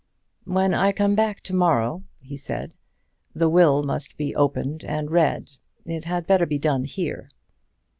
"When I come back to morrow," he said, "the will must be opened and read. It had better be done here."